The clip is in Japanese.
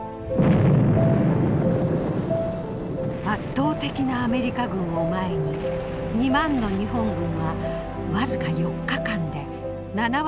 圧倒的なアメリカ軍を前に２万の日本軍は僅か４日間で７割が失われました。